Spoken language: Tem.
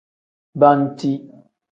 Banci.